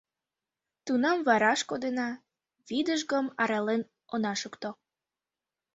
— Тунам вараш кодына, вӱдыжгым арален она шукто.